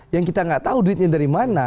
yang kita nggak tahu duitnya dari mana